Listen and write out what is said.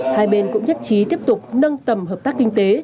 hai bên cũng nhất trí tiếp tục nâng tầm hợp tác kinh tế